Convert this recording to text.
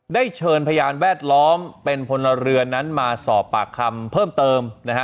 เชิญพยานแวดล้อมเป็นพลเรือนนั้นมาสอบปากคำเพิ่มเติมนะฮะ